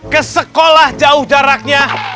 ke sekolah jauh jaraknya